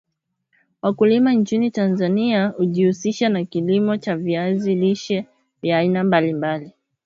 Wakulima nchini Tanzania ujihusisha na kilimo cha viazi lishe vya aina mbali mbali